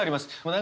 何？